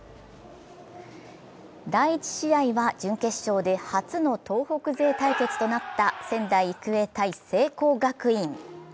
第１試合は準決勝で初の東北勢対決となった仙台育英×聖光学院。